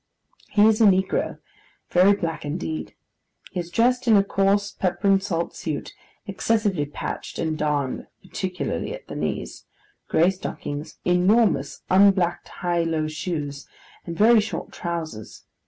He is a negro—very black indeed. He is dressed in a coarse pepper and salt suit excessively patched and darned (particularly at the knees), grey stockings, enormous unblacked high low shoes, and very short trousers.